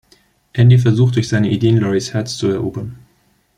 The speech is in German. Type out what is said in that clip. Andy versucht, durch seine Ideen Loris Herz zu erobern.